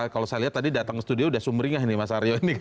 kalau saya lihat tadi datang ke studio sudah sumringah ini mas aryo ini